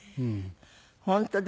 本当だ。